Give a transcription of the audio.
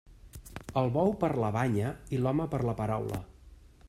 El bou per la banya i l'home per la paraula.